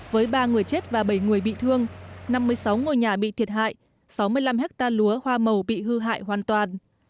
với ba người chết và bảy người bị thương năm mươi sáu ngôi nhà bị thiệt hại sáu mươi năm hectare lúa hoa màu bị hư hại hoàn toàn